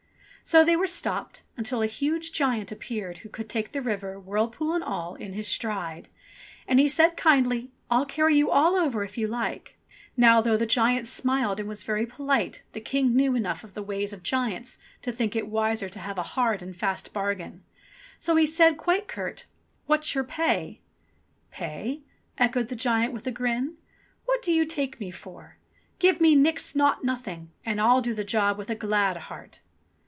So they were stopped, until a huge giant appeared, who could take the river, whirlpool and all, in his stride ; and he said kindly, "I'll carry you all over, if you like." Now, though the giant smiled and was very polite the King knew enough of the ways of giants to think it wiser to have a hard and fast bargain. So he said, quite curt, "What's your pay? "Pay ?" echoed the giant with a grin, "what do you take me for ? Give me Nix Naught Nothing, and I'll do the job with a glad heart."